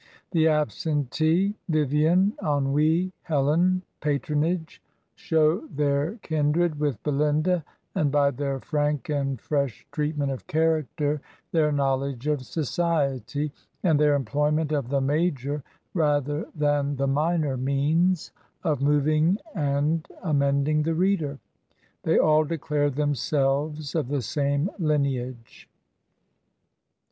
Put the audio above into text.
"The Absentee/' "Vivian/' "Ennui/' "Helen/' "Patronage/' show their kindred with "Belinda/' and by their frank and fresh treatment of character, their knowledge of society, and their employment of the major rather than the minor means of moving and amending the reader, they all declare themselves of the same lineage.